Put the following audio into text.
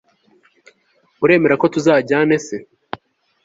uremera ko tuzajyana, se